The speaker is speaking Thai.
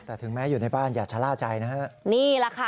แต่ถึงแม้อยู่ในบ้านอย่าชะล่าใจนะฮะ